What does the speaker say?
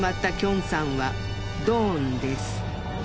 んさんはドーンです